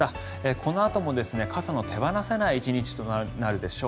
このあとも傘の手放せない１日となるでしょう。